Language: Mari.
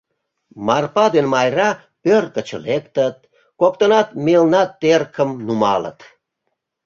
Марпа ден Майра пӧрт гыч лектыт. коктынат мелна теркым нумалыт.